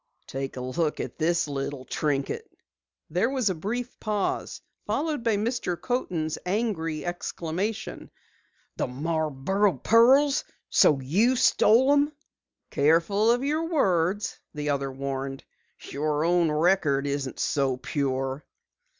Take a look at this little trinket!" There was a brief pause, followed by Mr. Coaten's angry exclamation: "The Marborough pearls! So you stole them!" "Careful of your words," the other warned. "Your own record isn't so pure."